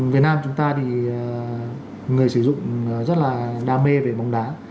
việt nam chúng ta thì người sử dụng rất là đam mê về bóng đá